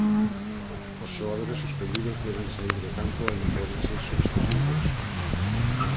Os xogadores suspendidos deben saír do campo e non poden ser substituídos.